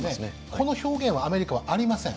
この表現はアメリカはありません。